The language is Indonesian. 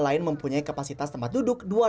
lain mempunyai kapasitas tempat duduk